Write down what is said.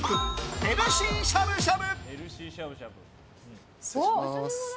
ヘルシーしゃぶしゃぶ。